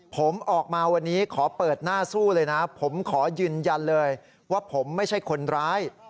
ผมออกมาวันนี้ขอเปิดหน้าสู้เลยนะผมขอยืนยันเลยว่าผมไม่ใช่คนร้าย